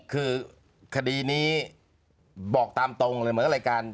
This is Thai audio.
คือคดีนี้บอกตามตรงเลยเหมือนรายการ